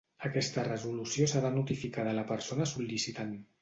Aquesta resolució serà notificada a la persona sol·licitant.